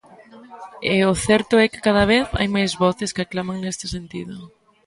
E o certo é que cada vez hai máis voces que claman neste sentido.